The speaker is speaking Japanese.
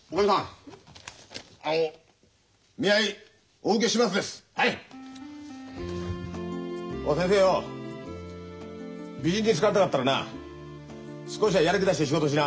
おお先生よう美人に好かれたかったらな少しはやる気出して仕事しな。